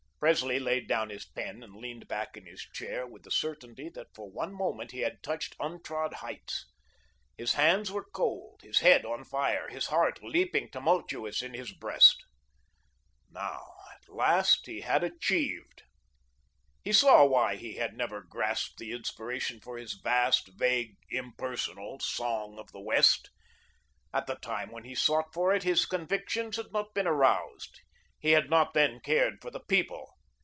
Presley laid down his pen and leaned back in his chair, with the certainty that for one moment he had touched untrod heights. His hands were cold, his head on fire, his heart leaping tumultuous in his breast. Now at last, he had achieved. He saw why he had never grasped the inspiration for his vast, vague, IMPERSONAL Song of the West. At the time when he sought for it, his convictions had not been aroused; he had not then cared for the People.